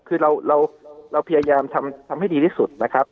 คือเราพยายามทำให้ดีที่สุดนะครับ